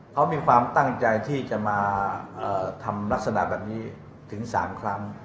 เขามีความตั้งใจที่จะมาทำลักษณะแบบนี้ถึง๓ครั้ง